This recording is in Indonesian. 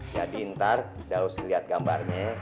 jadi ntar daus liat gambarnya